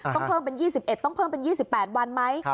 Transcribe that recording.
ต้องเพิ่มเป็น๒๑ต้องเพิ่มเป็น๒๘วันไหม